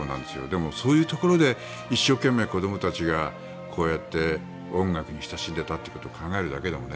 でも、そういうところで一生懸命子どもたちがこうやって音楽に親しんでいたということを考えるだけでも。